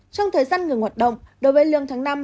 trong thời gian ngừng hoạt động đối với lương tháng năm